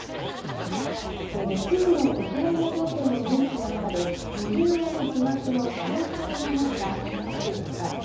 そして、６時のウクライナ情勢のニュースの中で、右上の字幕の協調の文字が誤っていました。